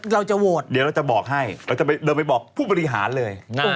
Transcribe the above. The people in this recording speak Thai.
เราจะโหวตเดี๋ยวเราจะบอกให้เราจะเดินไปบอกผู้บริหารเลย